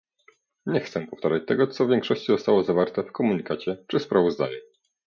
Nie chcę powtarzać tego, co w większości zostało zawarte w komunikacie czy sprawozdaniu